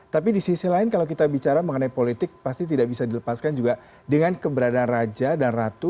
tapi di sisi lain kalau kita bicara mengenai politik pasti tidak bisa dilepaskan juga dengan keberadaan raja dan ratu